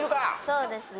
そうですね。